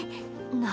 何？